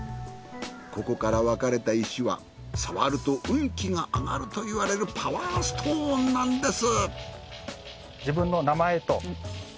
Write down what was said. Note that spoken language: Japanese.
ここから分かれた石は触ると運気が上がるといわれるパワーストーンなんです。